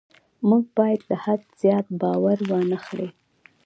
موټر باید له حد زیات بار وانه خلي.